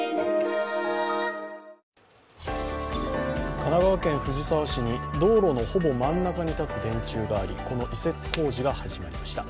神奈川県藤沢市に道路のほぼ真ん中に立つ電柱がありこの移設工事が始まりました。